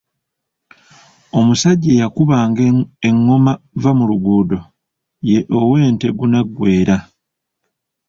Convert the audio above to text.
Omusajja eyakubanga engoma Vvamuluguudo ye ow’ente Gunaggweera.